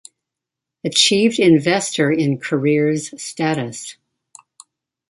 Achieved Investor in Careers status.